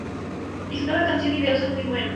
Y su nueva canción y video son muy buenos.